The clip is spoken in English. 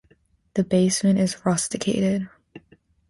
The basement is rusticated.